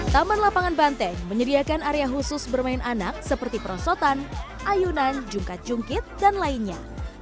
taman lapangan banteng menyediakan area khusus bermain anak seperti perosotan ayunan jungkat jungkit dan lainnya